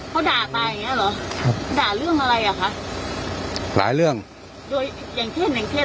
เขาด่าตายอย่างเงี้เหรอครับด่าเรื่องอะไรอ่ะคะหลายเรื่องโดยอย่างเช่นอย่างเช่น